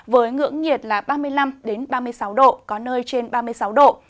với ngưỡng nhiệt là ba mươi năm ba mươi sáu độ có nơi trên ba mươi sáu độ